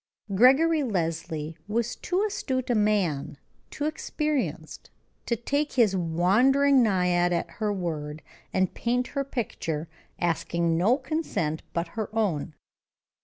Gregory Leslie was too astute a man, too experienced, to take his wandering naiad at her word, and paint her picture, asking no consent but her own.